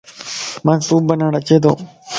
مانک سوپ بناڻَ اچي تو